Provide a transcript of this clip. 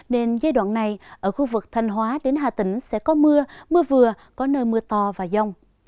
nên giai đoạn này ở khu vực thanh hóa đến hà tĩnh sẽ có mưa mưa vừa có nơi mưa to và rông